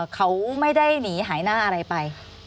เขาไม่ได้หนีหายหน้าอะไรไป